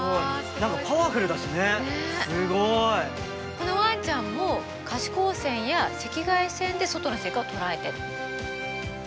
このワンちゃんも可視光線や赤外線で外の世界を捉えてるの。